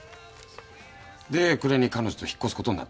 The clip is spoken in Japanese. で暮れに彼女と引っ越すことになってる。